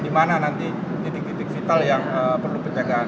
di mana nanti titik titik vital yang perlu penjagaan